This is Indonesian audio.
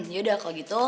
yaudah kalau gitu